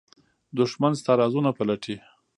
دښمن ستا رازونه پلټي